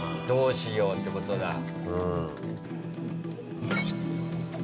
どうしようってことだ。